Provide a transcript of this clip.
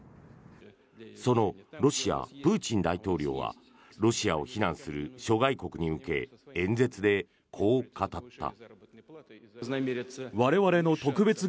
そのロシア、プーチン大統領はロシアを非難する諸外国に向け演説でこう語った。